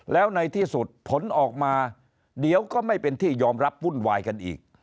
แล้วในที่สุดผลออกมาเดี๋ยวก็ไม่เป็นที่ยอมรับวุ่นวายกันอีก